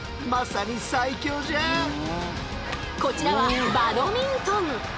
こちらはバドミントン！